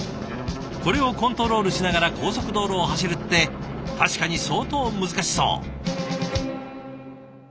これをコントロールしながら高速道路を走るって確かに相当難しそう！